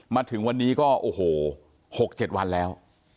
มาถึงวันนี้ก็โอ้โห๖๗วันแล้ว